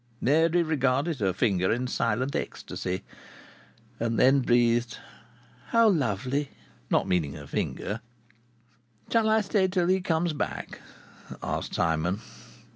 Mary regarded her finger in silent ecstasy, and then breathed "How lovely!" not meaning her finger. "Shall I stay till he comes back?" asked Simon.